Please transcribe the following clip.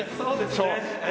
そうですねええ。